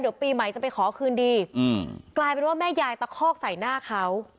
เดี๋ยวปีใหม่จะไปขอคืนดีอืมกลายเป็นว่าแม่ยายตะคอกใส่หน้าเขา